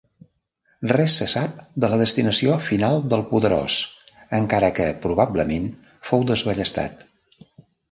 Res se sap de la destinació final del Poderós, encara que probablement fou desballestat.